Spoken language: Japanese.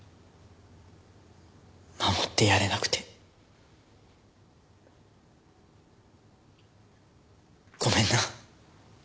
守ってやれなくてごめんな。